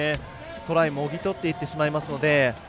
トライもぎ取っていってしまいますので。